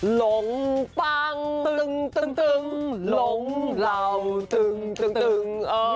หลงปังตึงหลงเหล่าตึง